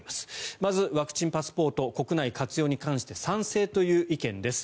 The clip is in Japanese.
まず、ワクチンパスポート国内活用に関して賛成という意見です。